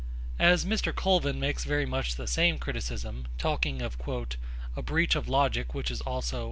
As Mr. Colvin makes very much the same criticism, talking of 'a breach of logic which is also